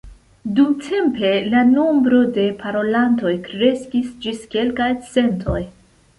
Dumtempe la nombro de parolantoj kreskis ĝis kelkaj centoj.